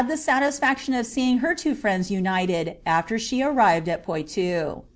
the satisfaction of seeing {ftieiuts united, after she arrived at Pollou.